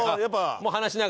もう話しながら？